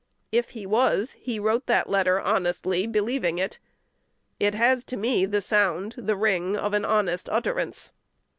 If he was, he wrote that letter honestly, believing it. It has to me the sound, the ring, of an honest utterance.